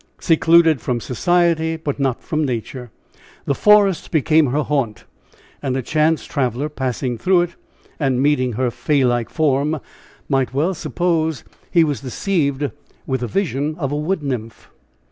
Secluded from society, but not from nature. The forest became her haunt. And a chance traveler passing through it, and meeting her fay like form, might well suppose he was deceived with the vision of a wood nymph.